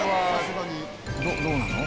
「どうなの？」